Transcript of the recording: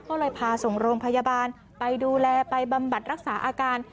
ก็เลยพาส่งโรงพยาบาลไปดูแลไปบำบัดรักษาอาการ